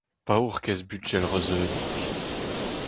Paourkaezh bugel reuzeudik !